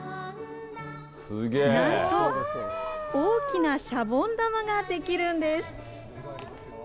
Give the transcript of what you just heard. なんと、大きなシャボン玉が出来るんです。